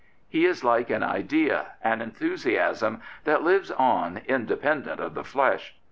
He is like an idea, an enthusiasm, that lives on independent of the flesh.